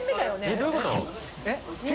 どういうこと？